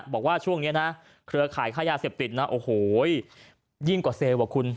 บอกว่าช่วงนี้นะเครือข่ายค่ายาเสพติดนะโอ้โหยิ่งกว่าเซลล์อ่ะคุณ